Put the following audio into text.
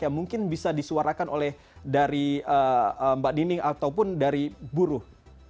yang mungkin bisa disuarakan oleh dari mbak dining ataupun dari buruh